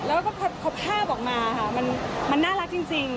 แล้วก็พอภาพออกมาค่ะมันน่ารักจริง